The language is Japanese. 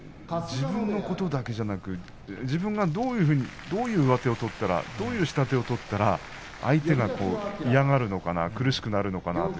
自分のことだけじゃなくて自分がどういう、上手を取ったら下手を取ったら相手が嫌がるのかな、苦しくなるのかな